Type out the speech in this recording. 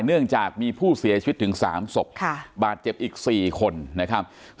เนื่องจากมีผู้เสียชีวิตถึง๓ศพบาดเจ็บอีก๔คนนะครับ